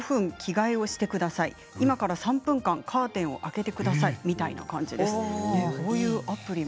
３分間カーテンを開けてくださいというような感じです。